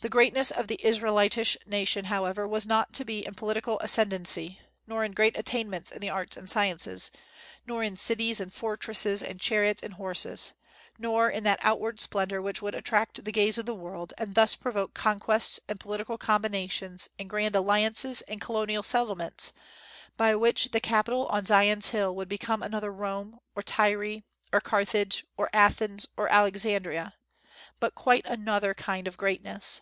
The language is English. The greatness of the Israelitish nation, however, was not to be in political ascendancy, nor in great attainments in the arts and sciences, nor in cities and fortresses and chariots and horses, nor in that outward splendor which would attract the gaze of the world, and thus provoke conquests and political combinations and grand alliances and colonial settlements, by which the capital on Zion's hill would become another Rome, or Tyre, or Carthage, or Athens, or Alexandria, but quite another kind of greatness.